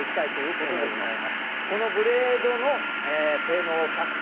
このブレードの性能を１００％